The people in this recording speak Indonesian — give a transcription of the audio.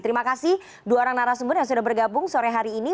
terima kasih dua orang narasumber yang sudah bergabung sore hari ini